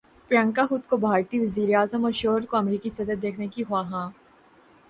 پریانکا خود کو بھارتی وزیر اعظم اور شوہر کو امریکی صدر دیکھنے کی خواہاں